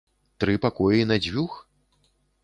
Тры пакоі на дзвюх?